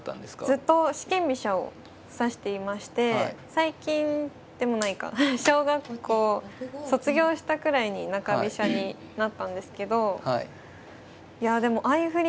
ずっと四間飛車を指していまして最近でもないか小学校卒業したくらいに中飛車になったんですけどいやでも相振り